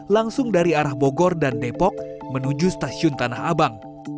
langsung dari arah bogor dan depok menuju stasiun tanah abang